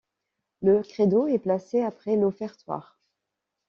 Le Credo est placé après l'Offertoire.